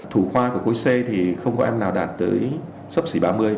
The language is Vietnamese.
thủ khoa của cối c thì không có em nào đạt tới sốc sỉ ba mươi